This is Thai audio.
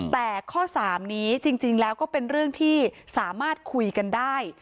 แต่ข้อ๓นี้จริงแล้วก็เป็นเรื่องที่สามารถคุยกันได้